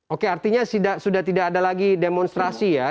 oke artinya sudah tidak ada lagi demonstrasi ya